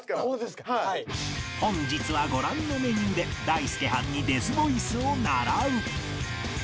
本日はご覧のメニューでダイスケはんにデスボイスを習う